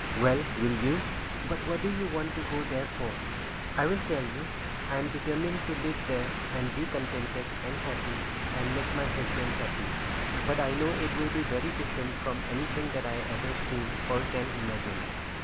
"Well, will you?" "But what do you want to go there for?" "I'll tell you. I'm determined to live there, and be contented and happy, and make my husband happy; but I know it will be very different from anything that I have ever seen, or can imagine."